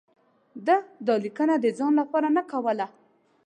ده دا لیکنه د ځان لپاره نه کوله.